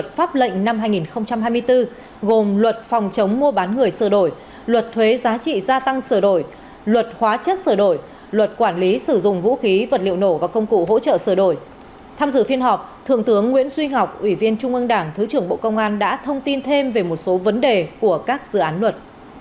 thượng tướng nguyễn duy ngọc ủy viên trung ương đảng thứ trưởng bộ công an đã thông tin thêm về một số vấn đề của các dự án luật